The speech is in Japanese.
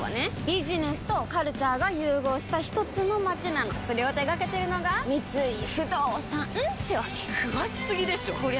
ビジネスとカルチャーが融合したひとつの街なのそれを手掛けてるのが三井不動産ってわけ詳しすぎでしょこりゃ